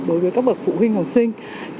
đối với các bậc phụ huynh học sinh